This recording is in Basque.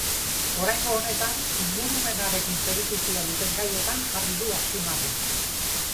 Oraingo honetan, ingurumenarekin zerikusia duten gaietan jarri du azpimarra.